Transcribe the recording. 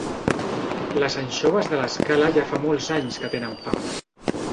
Les anxoves de L'Escala ja fa molts anys que tenen fama.